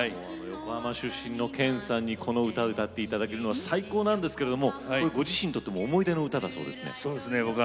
横浜出身の剣さんにこの歌を歌っていただけるのは最高なんですけれどもご自身にとっても思い出の歌だそうですね。